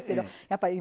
やっぱり